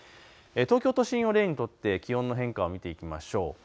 東京都心を例にとって気温の変化を見ていきましょう。